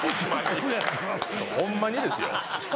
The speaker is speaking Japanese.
ホンマにですよ。